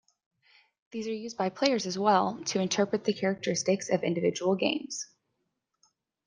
These are used by players as well to interpret the characteristics of individual games.